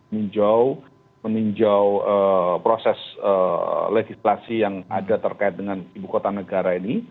meninjau proses legislasi yang ada terkait dengan ibu kota negara ini